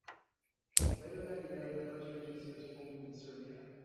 Later that year "The first regency" was formed in Serbia.